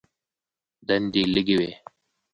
دندې لږې وې.